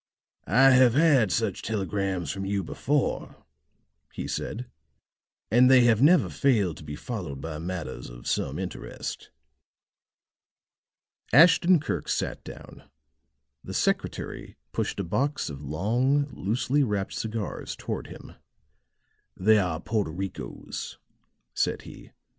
"I have had such telegrams from you before," he said, "and they have never failed to be followed by matters of some interest." Ashton Kirk sat down; the secretary pushed a box of long loosely wrapped cigars toward him. "They are Porto Ricos," said he.